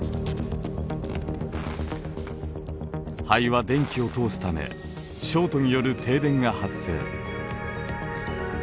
灰は電気を通すためショートによる停電が発生。